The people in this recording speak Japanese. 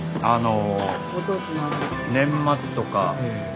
あの年末とか。